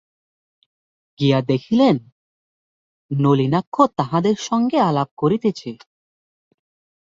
গিয়া দেখিলেন, নলিনাক্ষ তাঁহাদের সঙ্গে আলাপ করিতেছে।